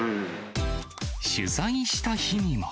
取材した日にも。